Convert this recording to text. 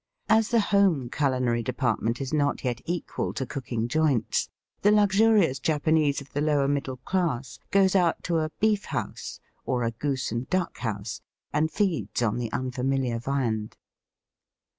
As the home culinary department is not yet equal to cook ing joints, the luxurious Japanese of the lower middle class goes out to a beef house, or a goose and duck house, and feeds on the un familiar viand.